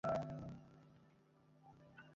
কেনার আগে আমি, তোমাকে দেখাতে চেয়েছিলাম।